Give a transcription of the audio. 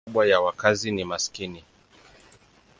Asilimia kubwa ya wakazi ni maskini.